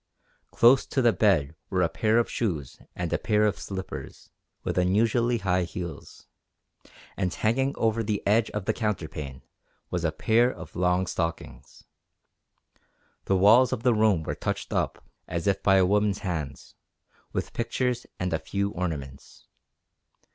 Close to the bed were a pair of shoes and a pair of slippers, with unusually high heels, and hanging over the edge of the counterpane was a pair of long stockings. The walls of the room were touched up, as if by a woman's hands, with pictures and a few ornaments.